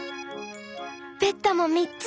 「ベッドもみっつ！